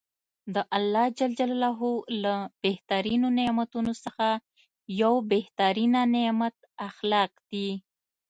د الله ج له بهترینو نعمتونوڅخه یو بهترینه نعمت اخلاق دي .